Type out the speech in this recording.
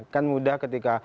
kan mudah ketika